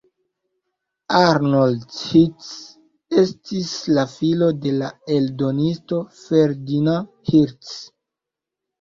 Arnold Hirt estis la filo de la eldonisto Ferdinand Hirt.